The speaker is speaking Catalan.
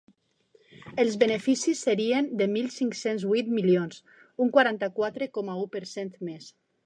Els beneficis serien de mil cinc-cents vuit milions, un quaranta-quatre coma u per cent més.